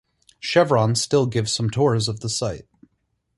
Chevron still gives some tours of the site.